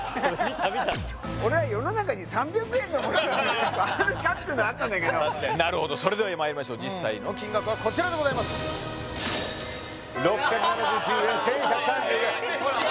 俺は世の中に３００円のものがあるかっていうのあったんだけどなるほどそれではまいりましょう実際の金額はこちらでございます６７９円１１３５円やばい！